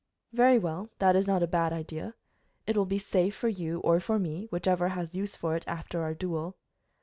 "Very well, that is not a bad idea. It will be safe for you or for me, whichever has use for it after our duel."